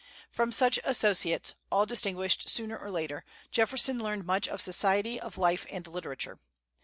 From such associates, all distinguished sooner or later, Jefferson learned much of society, of life, and literature.